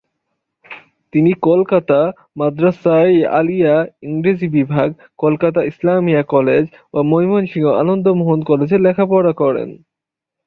তিনি কলকাতা মাদ্রাসা-ই-আলিয়া ইংরেজি বিভাগ, কলকাতা ইসলামিয়া কলেজ ও ময়মনসিংহ আনন্দমোহন কলেজে লেখাপড়া করেন।